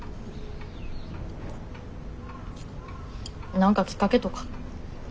何かきっかけとか？